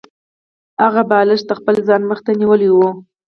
هغه بالښت د خپل ځان مخې ته نیولی و